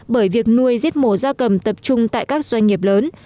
bởi việc nuôi giết mổ da cầm tập trung tại các doanh nghiệp lớn